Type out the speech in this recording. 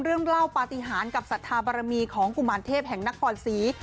เรื่องเล่าปฏิหารกับศรัทธาบารมีของกุมารเทพแห่งนครศรี